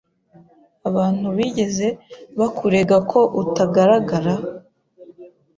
Abantu bigeze bakurega ko utagaragara?